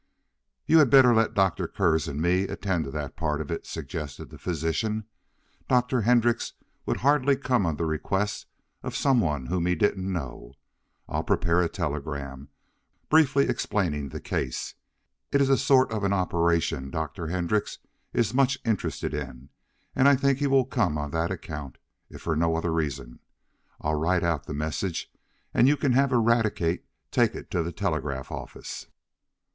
"You had better let Dr. Kurtz and me attend to that part of it," suggested the physician. "Dr. Hendrix would hardly come on the request of some one whom he did not know. I'll prepare a telegram, briefly explaining the case. It is the sort of an operation Dr. Hendrix is much interested in, and I think he will come on that account, if for no other reason. I'll write out the message, and you can have Eradicate take it to the telegraph office."